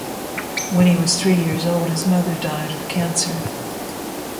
When he was three years old, his mother died of cancer.